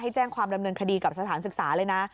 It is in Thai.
แจ้งความดำเนินคดีกับสถานศึกษาเลยนะ